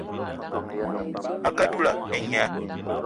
A ke á dula et nya